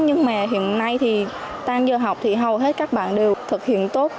nhưng mà hiện nay thì đang giờ học thì hầu hết các bạn đều thực hiện tốt